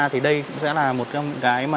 thì đây cũng sẽ là một cái mà